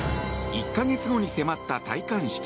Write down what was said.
１か月後に迫った戴冠式。